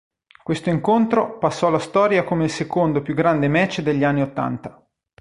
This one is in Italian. Questo incontro passò alla storia come il secondo più grande match degli anni ottanta.